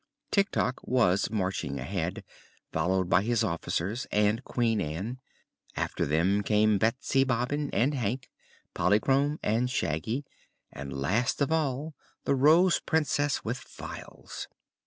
Tik Tok was marching ahead, followed by his officers and Queen Ann. After them came Betsy Bobbin and Hank, Polychrome and Shaggy, and last of all the Rose Princess with Files.